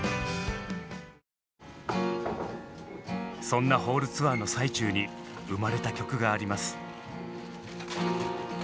そんなホールツアーの最中に生まれた曲があります。